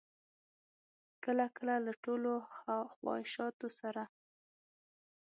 کله کله له ټولو خواهشاتو سره.